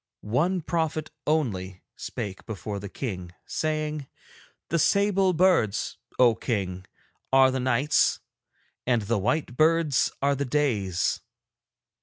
One prophet only spake before the King, saying: "The sable birds, O King, are the nights, and the white birds are the days.